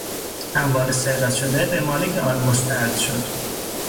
اموال سرقت شده به مالک آن مسترد شد.